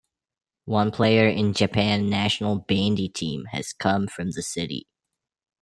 One player in Japan national bandy team has come from the city.